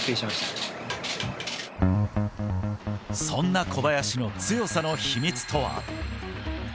そんな小林の強さの秘密とは。